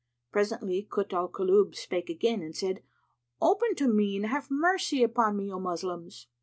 Presently Kut al Kulub spake again and said, "Open to me and have mercy upon me, O Moslems!"